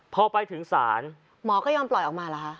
พอไปถึงศาลหมอก็ยอมปล่อยออกมาเหรอคะ